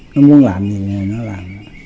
nó muốn làm gì thì nó làm